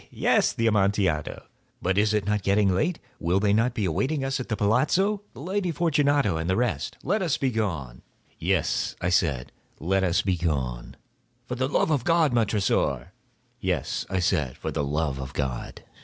he!—yes, the Amontillado. But is it not getting late? Will not they be awaiting us at the palazzo, the Lady Fortunato and the rest? Let us be gone." "Yes," I said, "let us be gone." "For the love of God, Montressor!" "Yes," I said, "for the love of God!"